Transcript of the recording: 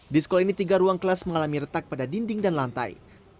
di sekolah ini tiga ruang kelas mengalami retak pada dinding dan lantai